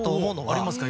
ありますか？